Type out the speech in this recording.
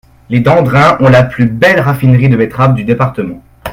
Les Dandrin ont la plus belle raffinerie de betteraves du département.